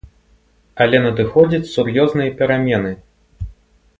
Але надыходзяць сур'ёзныя перамены.